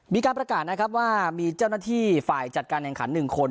มีการประกาศนะครับว่ามีเจ้าหน้าที่ฝ่ายจัดการแข่งขัน๑คน